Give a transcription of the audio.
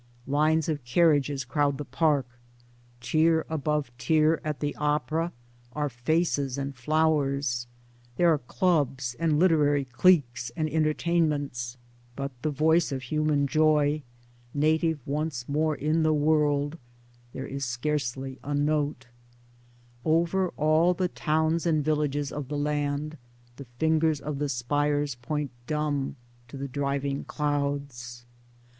Lines of carriages crowd the Park ; tier above tier at the Opera are faces and flowers ; there are clubs and literary cliques and entertainments, but of the voice of human joy, native once more in the world, there is scarcely a note. Towards Democracy 53 Over all the towns and villages of the land the fingers of the spires point dumb to the driving clouds.